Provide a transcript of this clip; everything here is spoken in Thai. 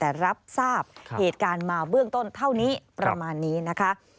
แต่รับทราบเหตุการณ์มาเบื้องต้นเท่านี้ประมาณนี้นะคะ